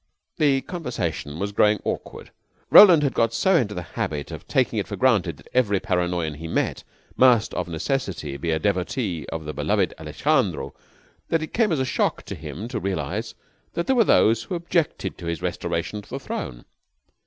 The conversation was growing awkward. Roland had got so into the habit of taking it for granted that every Paranoyan he met must of necessity be a devotee of the beloved Alejandro that it came as a shock to him to realize that there were those who objected to his restoration to the throne.